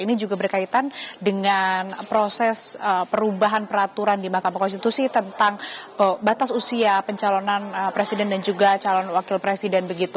ini juga berkaitan dengan proses perubahan peraturan di mahkamah konstitusi tentang batas usia pencalonan presiden dan juga calon wakil presiden